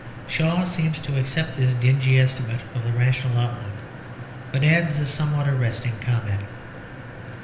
Shaw seems to accept this dingy estimate of the rational outlook, but adds a somewhat arresting comment.